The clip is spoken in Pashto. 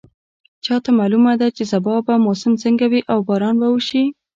چا ته معلومه ده چې سبا به موسم څنګه وي او باران به وشي